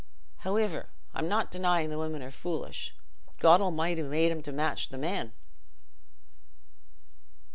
Howiver, I'm not denyin' the women are foolish: God Almighty made 'em to match the men."